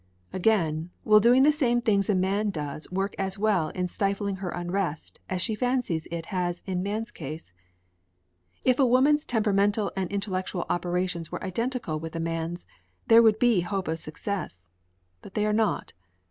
Again, will doing the same things a man does work as well in stifling her unrest as she fancies it has in man's case? If a woman's temperamental and intellectual operations were identical with a man's, there would be hope of success, but they are not.